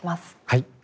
はい。